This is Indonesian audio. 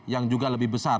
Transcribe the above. yang juga lebih besar